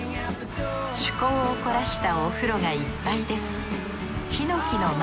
趣向を凝らしたお風呂がいっぱいです